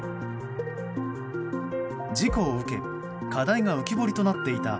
事故を受け課題が浮き彫りとなっていた